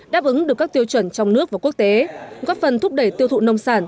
đáp ứng được các tiêu chuẩn trong nước và quốc tế góp phần thúc đẩy tiêu thụ nông sản